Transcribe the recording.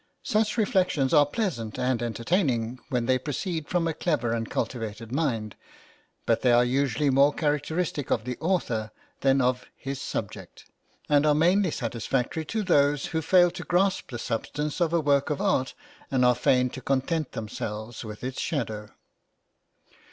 Such reflections are pleasant and entertaining when they proceed from a clever and cultivated mind; but they are usually more characteristic of the author than of his subject, and are mainly satisfactory to those who fail to grasp the substance of a work of art, and are fain to content themselves with its shadow.